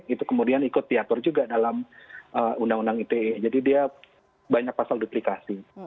itu kemudian ikut diatur juga dalam undang undang ite jadi dia banyak pasal duplikasi